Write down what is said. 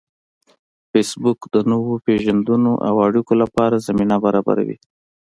فېسبوک د نویو پیژندنو او اړیکو لپاره زمینه برابروي